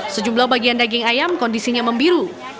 sejumlah bagian daging ayam kondisinya membiru